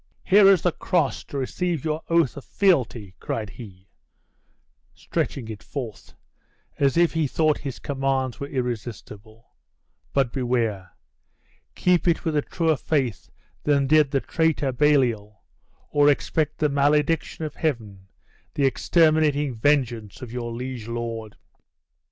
Here is the cross, to receive your oath of fealty," cried he, stretching it forth, as if he thought his commands were irrestible; "but beware! keep it with a truer faith than did the traitor Baliol, or expect the malediction of Heaven, the exterminating vengeance of your liege lord!"